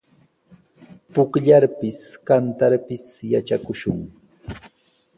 Pukllarpis, kantarpis yatrakushun.